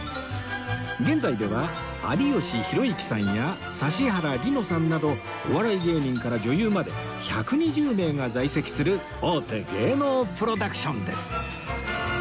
現在では有吉弘行さんや指原莉乃さんなどお笑い芸人から女優まで１２０名が在籍する大手芸能プロダクションです